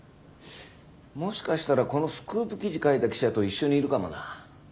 もしかしたらこのスクープ記事書いた記者と一緒にいるかもな。